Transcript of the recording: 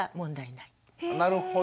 なるほど。